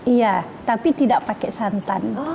iya tapi tidak pakai santan